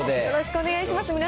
よろしくお願いします。